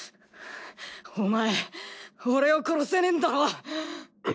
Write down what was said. お前俺を殺せねえんだろう？